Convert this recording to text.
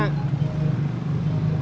mereka gak lebih gampang